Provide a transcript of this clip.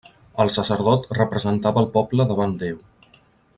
El sacerdot representava el poble davant Déu.